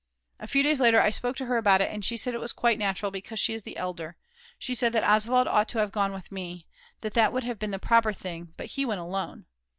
A few days later I spoke to her about it, and she said it was quite natural because she is the elder. She said that Oswald ought to have gone with me, that that would have been the proper thing. But he went alone.